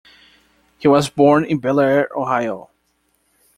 He was born in Bellaire, Ohio.